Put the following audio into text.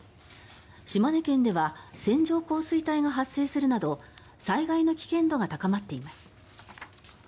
島根県では線状降水帯が発生するなど災害の危険度が高まっています。